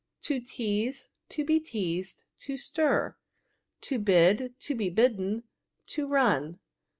To teaze. To be teazed. To stir. To bid. To be bidden. To run.